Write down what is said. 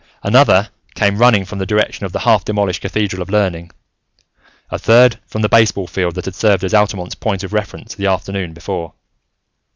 Another came running from the direction of the half demolished Cathedral of Learning, a third from the baseball field that had served as Altamont's point of reference the afternoon before.